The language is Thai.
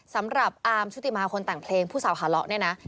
สำหรับอาร์มชุติมาคนแต่งเพลงผู้สาวหาเลาะเนี่ยนะ